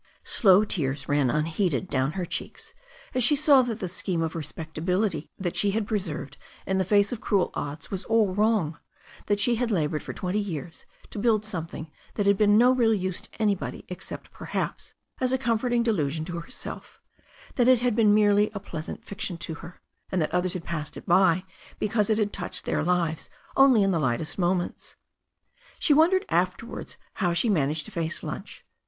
Slow tears ran unheeded down her cheeks as she saw that the scheme of respectability that she had preserved in the face of cruel odds was all wrong, that she had la boured for twenty years to build something that had been no real use to anybody, except, perhaps, as a comforting de lusion to herself, that it had been merely a pleasant fiction to her, and that others had passed it by because it had touched their lives only in their lightest moments. She wondered afterwards how she managed to face lunch.